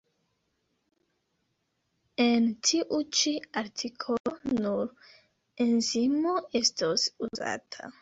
En tiu ĉi artikolo nur enzimo estos uzata.